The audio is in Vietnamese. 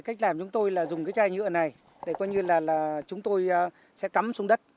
cách làm chúng tôi là dùng cái chai nhựa này để coi như là chúng tôi sẽ cắm xuống đất